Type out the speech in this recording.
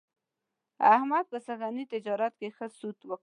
احمد په سږني تجارت کې ښه سود وکړ.